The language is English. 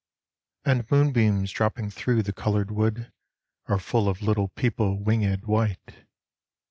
And moonbeams drooping thro' the coloured wood Are full of little people winged white.